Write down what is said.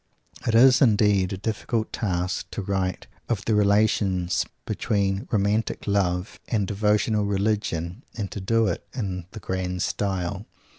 It is indeed a difficult task to write of the relations between romantic love and devotional religion and to do it in the grand style.